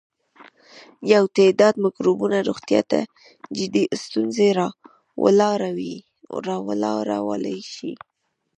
یو تعداد مکروبونه روغتیا ته جدي ستونزې راولاړولای شي.